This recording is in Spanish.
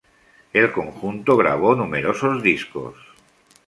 El conjunto grabó numerosos discos.